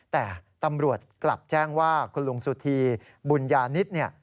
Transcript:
แต่ตำรวจกลับแจ้งว่าคุณลุงสุธีบุญญานิต